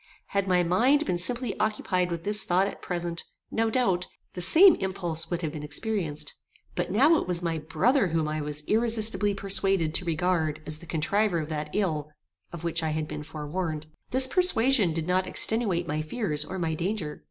Had my mind been simply occupied with this thought at present, no doubt, the same impulse would have been experienced; but now it was my brother whom I was irresistably persuaded to regard as the contriver of that ill of which I had been forewarned. This persuasion did not extenuate my fears or my danger.